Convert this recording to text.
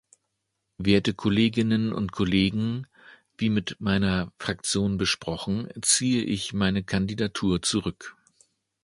Werte Kolleginnen und Kollegen, wie mit meiner Fraktion besprochen, ziehe ich meine Kandidatur zurück.